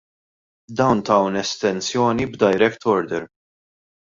Dawn taw estensjoni b'direct order!